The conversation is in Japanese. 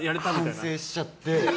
反省しちゃって。